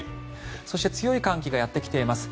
そして強い寒気がやってきています。